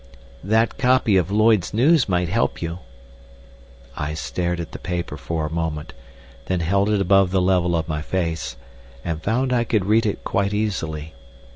"That copy of Lloyd's News might help you." I stared at the paper for a moment, then held it above the level of my face, and found I could read it quite easily.